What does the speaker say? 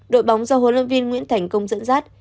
đội bóng do hồ lâm viên nguyễn thành công dẫn dắt